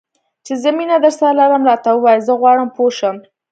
چې زه مینه درسره لرم؟ راته ووایه، زه غواړم پوه شم.